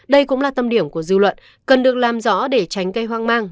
đây cũng là tâm điểm của dư luận cần được làm rõ để tránh gây hoang mang